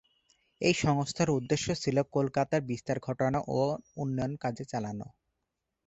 এই সংস্থার উদ্দেশ্য ছিল কলকাতার বিস্তার ঘটানো ও উন্নয়নের কাজ চালানো।